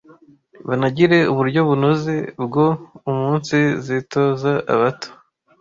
banagire uburyo bunoze bwo umunsizitoza abato,